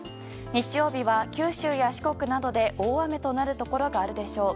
日曜日は九州や四国などで大雨となるところがあるでしょう。